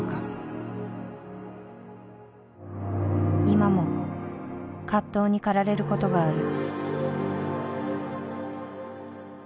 今も葛藤に駆られることがある。